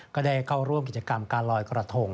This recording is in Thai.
ก็ได้เข้าร่วมกิจกรรมการลอยกระทง